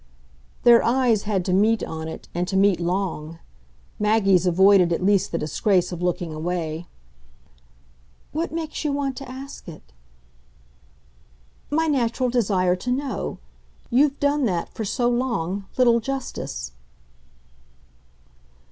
Their eyes had to meet on it, and to meet long; Maggie's avoided at least the disgrace of looking away. "What makes you want to ask it?" "My natural desire to know. You've done that, for so long, little justice."